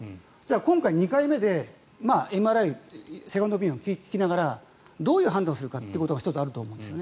今回、２回目で、ＭＲＩセカンドオピニオンを聞きながらどういう判断をするかが１つあると思うんです。